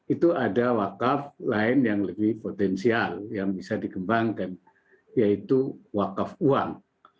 itu ada wakaf lain yang lebih potensial yang bisa dikembangkan yaitu wakaf uang